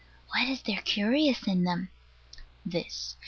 What is there curious in them? This.